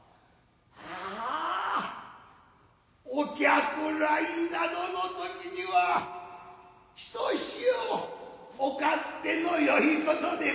ああお客来などの時にはひとしおお勝手のよいことでござるな。